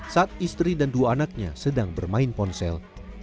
saat istri dan dua anaknya sedang bermain ponsel